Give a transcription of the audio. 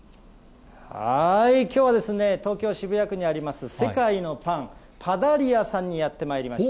きょうはですね、東京・渋谷区にあります、世界のパン・パダリアさんにやってまいりました。